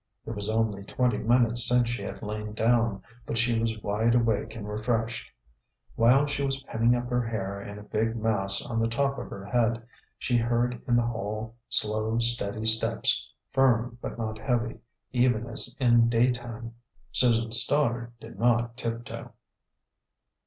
It was only twenty minutes since she had lain down, but she was wide awake and refreshed. While she was pinning up her hair in a big mass on the top of her head, she heard in the hall slow, steady steps, firm but not heavy, even as in daytime. Susan Stoddard did not tiptoe.